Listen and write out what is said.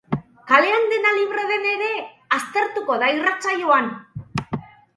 Kalean dena libre den ere aztertuko da irratsaioan.